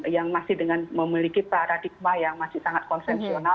yang masih dengan memiliki paradigma yang masih sangat konsensional